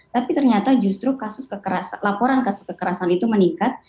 tapi ternyata justru kasus kekerasan itu meningkat